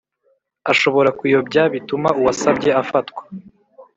ashobora kuyobya bituma uwasabye afatwa